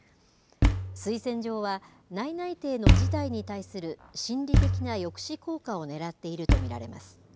推薦状は内々定の辞退に対する心理的な抑止効果を狙っていると見られます。